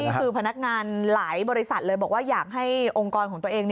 นี่คือพนักงานหลายบริษัทเลยบอกว่าอยากให้องค์กรของตัวเอง